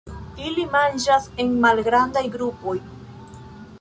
Ili manĝas en malgrandaj grupoj.